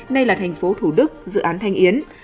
nay là thành phố thủ đức dự án thanh yến